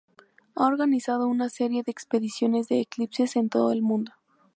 Ha organizado una serie de expediciones de eclipses en todo el mundo.